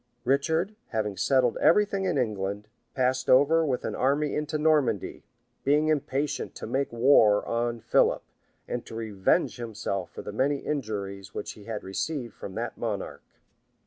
[*] Richard, having settled every thing in England, passed over with an army into Normandy; being impatient to make war on Philip, and to revenge himself for the many injuries which he had received from that monarch.